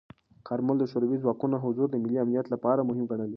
کارمل د شوروي ځواکونو حضور د ملي امنیت لپاره مهم ګڼلی.